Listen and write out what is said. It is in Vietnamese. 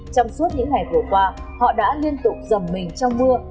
trong suốt những ngày vừa qua họ đã liên tục dầm mình trong mưa